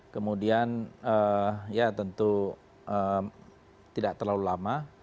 kemudian ya tentu tidak terlalu lama